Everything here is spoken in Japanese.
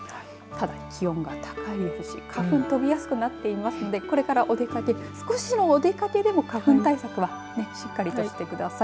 ただ気温が高いですし花粉飛びやすくなっていますので少しのお出かけでも花粉対策はしっかりとしてください。